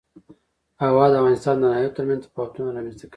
هوا د افغانستان د ناحیو ترمنځ تفاوتونه رامنځ ته کوي.